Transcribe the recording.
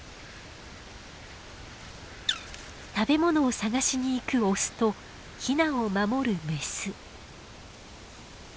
食べ物を探しに行くオスとヒナを守るメス。